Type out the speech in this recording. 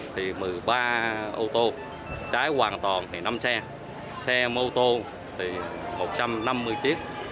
thì một mươi ba ô tô cháy hoàn toàn thì năm xe xe ô tô thì một trăm năm mươi chiếc